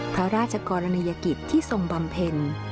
พระราชกรณียกิจที่ทรงบำเพ็ญ